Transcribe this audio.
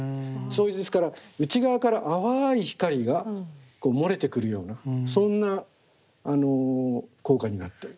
ですから内側から淡い光が漏れてくるようなそんな効果になってる。